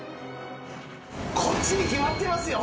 こっちに決まってますよ！